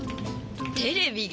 テレビが。